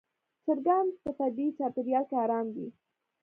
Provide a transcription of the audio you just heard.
چرګان په طبیعي چاپېریال کې آرام وي.